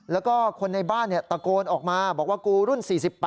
แล้วก็คนในบ้านตะโกนออกมาบอกว่ากูรุ่น๔๘